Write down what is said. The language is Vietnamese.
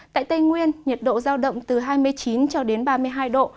tại tây nguyên nhiệt độ giao động từ hai mươi chín cho đến ba mươi hai độ